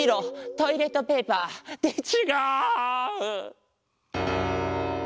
トイレットペーパー。ってちがう！